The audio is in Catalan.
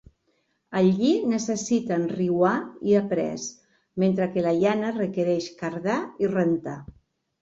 El lli necessita enriuar i aprest, mentre que la llana requereix cardar i rentar.